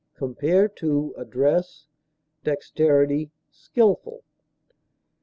Compare ADDRESS; DEXTERITY; SKILFUL.